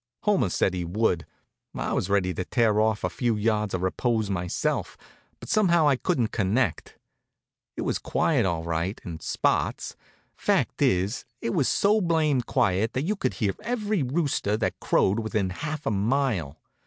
Homer said he would. I was ready to tear off a few yards of repose myself, but somehow I couldn't connect. It was quiet, all right in spots. Fact is, it was so blamed quiet that you could hear every rooster that crowed within half a mile.